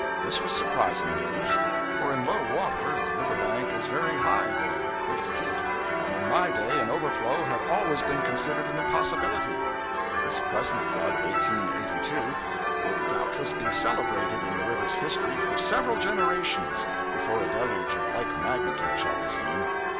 This was surprising news; for in low water the river bank is very high there (fifty feet), and in my day an overflow had always been considered an impossibility. This present flood of 1882 Will doubtless be celebrated in the river's history for several generations before a deluge of like magnitude shall be seen.